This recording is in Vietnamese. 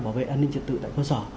bảo vệ nhân dịch tật tự tại cơ sở